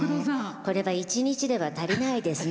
これは１日では足りないですよ。